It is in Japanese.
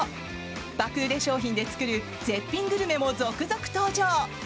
爆売れ商品で作る絶品グルメも続々登場！